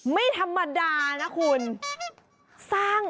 ไม่ธรรมดานะคุณ